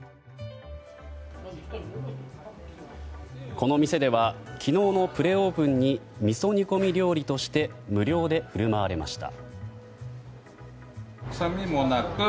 この店では昨日のプレオープンにみそ煮込み料理として無料で振る舞われました。